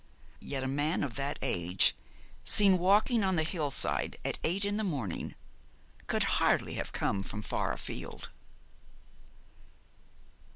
Yet a man of that age, seen walking on the hill side at eight in the morning, could hardly have come from far afield.